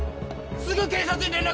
すぐ警察に連絡！